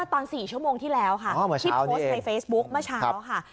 ตอน๔ชั่วโมงที่แล้วค่ะที่โพสต์ในเฟซบุ๊คเมื่อเช้าค่ะ